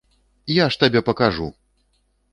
Я ж табе пакажу!